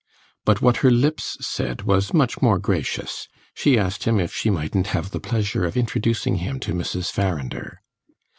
But what her lips said was much more gracious; she asked him if she mightn't have the pleasure of introducing him to Mrs. Farrinder.